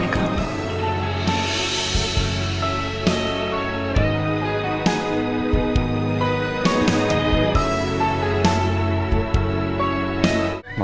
dia sudah berubah